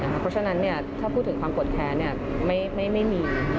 เพราะฉะนั้นเนี่ยถ้าพูดถึงความปลอดภัยเนี่ยไม่มี